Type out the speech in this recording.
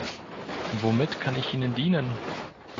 Womit kann ich Ihnen dienen?